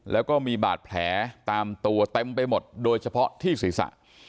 แล้วก็มีบาดแผลตามตัวเต็มไปหมดโดยเฉพาะที่ศีรษะ